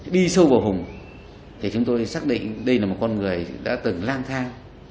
đi sâu vào hùng thì chúng tôi xác định đây là một con người đã từng lang thang